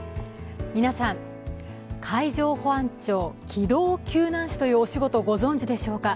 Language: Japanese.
皆さん、海上保安庁・機動救難士というお仕事をご存じでしょうか？